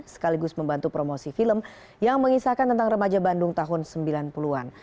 sekaligus membantu promosi film yang mengisahkan tentang remaja bandung tahun sembilan puluh an